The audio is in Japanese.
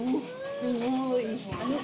すごーい！